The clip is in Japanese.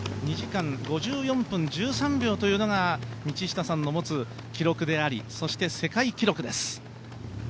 ２時間５４分１３秒というのが道下さんの持つ記録でありそして世界記録です。